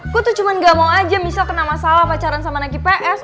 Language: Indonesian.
gue tuh cuman gak mau aja misal kena masalah pacaran sama naki ps